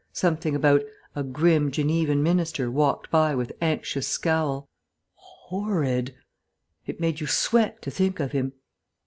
Something about "a grim Genevan minister walked by with anxious scowl." ... Horrid.... It made you sweat to think of him.